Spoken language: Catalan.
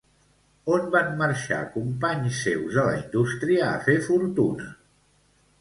On van marxar companys seus de la indústria a fer fortuna?